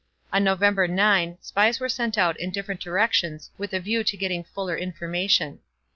On November 9 spies were sent out in different directions with a view to getting fuller information.